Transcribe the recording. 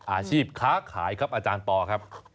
อาชีพค้าขายครับอาจารย์ปอครับ